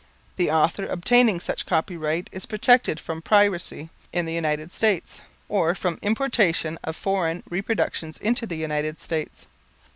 The author obtaining such copyright is protected from piracy in the United States, or from importation of foreign reproductions into the United States.